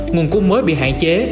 nguồn cung mới bị hạn chế